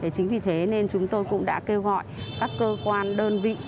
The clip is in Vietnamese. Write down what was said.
chính vì thế nên chúng tôi cũng đã kêu gọi các cơ quan đơn vị